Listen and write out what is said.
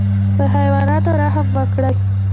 په حیواناتو رحم وکړئ